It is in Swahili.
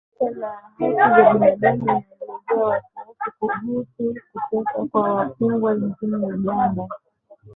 Shirika la haki za binadamu inaelezea wasiwasi kuhusu kuteswa kwa wafungwa nchini Uganda